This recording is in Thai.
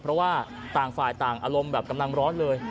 เพราะว่าต่างฝ่ายต่างอารมณ์แบบกำลังร้อนเลย